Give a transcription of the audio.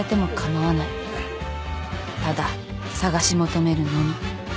ただ探し求めるのみ。